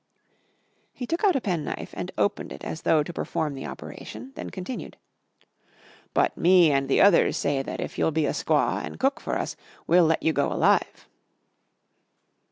He took out a penknife and opened it as though to perform the operation, then continued, "But me and the others say that if you'll be a squaw an' cook for us we'll let you go alive."